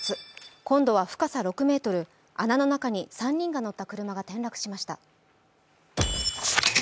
今度は深さ６ｍ、穴の中に３人が乗った車が転落しました。